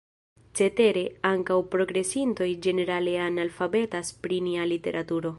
Cetere, ankaŭ progresintoj ĝenerale analfabetas pri nia literaturo.